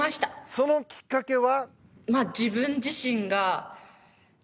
そのきっかけは？